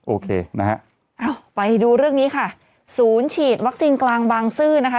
โอเคนะฮะไปดูเรื่องนี้ค่ะศูนย์ฉีดวัคซีนกลางบางซื่อนะคะ